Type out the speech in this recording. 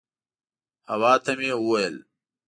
حوا ته مې وویل.